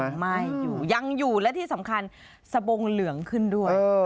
ไม่อยู่ยังอยู่และที่สำคัญสบงเหลืองขึ้นด้วย